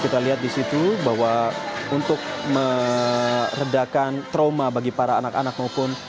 kita lihat di situ bahwa untuk meredakan trauma bagi para anak anak maupun